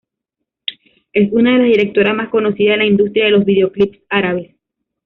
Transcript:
Es una de las directoras más conocidas en la industria de los videoclips árabes.